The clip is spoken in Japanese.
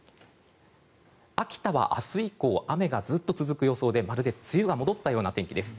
秋田は明日以降雨がずっと続く予想でまるで梅雨が戻ったような天気です。